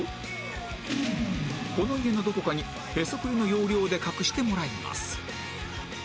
この家のどこかにへそくりの要領で隠してもらいます